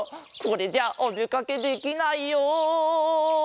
これじゃおでかけできないよ。